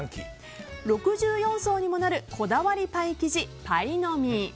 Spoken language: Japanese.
６４層にもなるこだわりパイ生地パイの実。